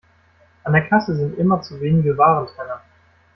An der Kasse sind immer zu wenige Warentrenner.